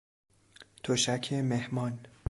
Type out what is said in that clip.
تشک مهمان